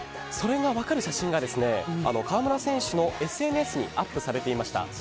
それが分かる写真が川村選手のＳＮＳにアップされていました。